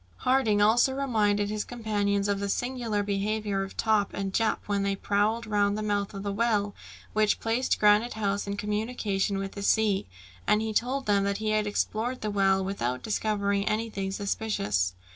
Harding also reminded his companions of the singular behaviour of Top and Jup when they prowled round the mouth of the well, which placed Granite House in communication with the sea, and he told them that he had explored the well, without discovering anything suspicious.